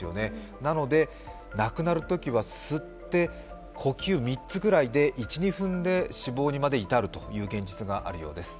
なので亡くなるときは吸って呼吸３つぐらいで１２分で死亡に至るという現実があるようです。